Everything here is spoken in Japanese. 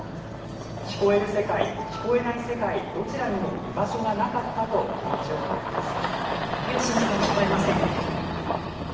聞こえる世界、聞こえない世界どちらにも居場所がなかったと気持ちを語ります。